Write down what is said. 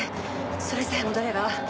それさえ戻れば。